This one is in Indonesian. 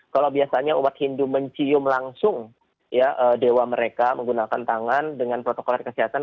kalau biasanya umat hindu mencium langsung ya dewa mereka menggunakan tangan dengan protokol kesehatan